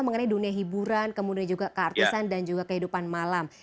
mengenai dunia hiburan kemudian juga keartisan dan juga kehidupan malam